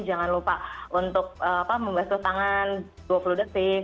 jangan lupa untuk membasuh tangan dua puluh detik